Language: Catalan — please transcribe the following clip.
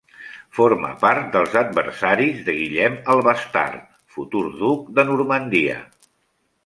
Forma part dels adversaris de Guillem el Bastard, futur duc de Normandia.